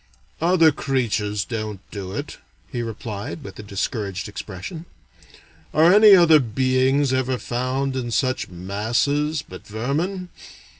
"Other creatures don't do it," he replied, with a discouraged expression. "Are any other beings ever found in such masses, but vermin?